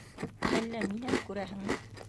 Әллә минән күрәһеңме?